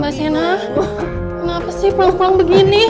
mbak sienna kenapa sih pelan pelan begini